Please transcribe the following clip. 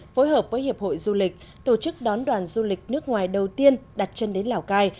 phối hợp với hiệp hội du lịch tổ chức đón đoàn du lịch nước ngoài đầu tiên đặt chân đến lào cai